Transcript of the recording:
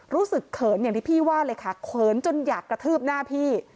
เขินอย่างที่พี่ว่าเลยค่ะเขินจนอยากกระทืบหน้าพี่